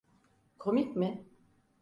Komik mi?